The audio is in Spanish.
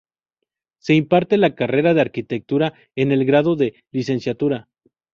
Se imparte la carrera de Arquitectura, en el grado de licenciatura.